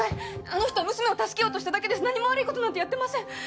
あの人は娘を助けようとしただけです何も悪いことなんてやってません